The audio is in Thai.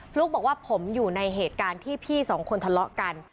ลุ๊กบอกว่าผมอยู่ในเหตุการณ์ที่พี่สองคนทะเลาะกัน